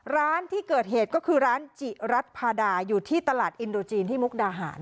ร้านที่เกิดเหตุก็คือร้านจิรัฐพาดาอยู่ที่ตลาดอินโดจีนที่มุกดาหาร